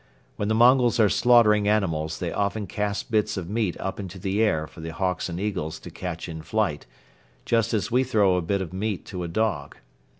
When the Mongols are slaughtering animals they often cast bits of meat up into the air for the hawks and eagles to catch in flight, just as we throw a bit of meat to a dog.